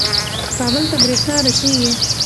کابل ته برېښنا رسیږي.